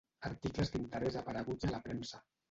Articles d'interès apareguts a la premsa.